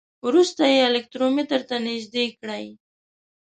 وروسته یې الکترومتر ته نژدې کړئ.